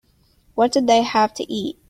What did they have to eat?